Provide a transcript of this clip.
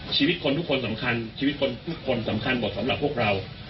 ชีวิตคนทุกคนสำคัญชีวิตคนทุกคนสำคัญหมดสำหรับพวกเรา